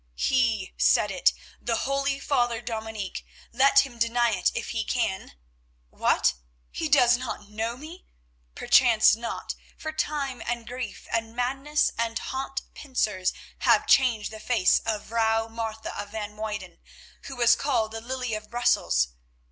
"He said it—the holy Father Dominic; let him deny it if he can. What? He does not know me? Perchance not, for time and grief and madness and hot pincers have changed the face of Vrouw Martha van Muyden, who was called the Lily of Brussels.